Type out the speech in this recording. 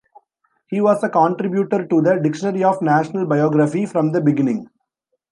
He was a contributor to the "Dictionary of National Biography" from the beginning.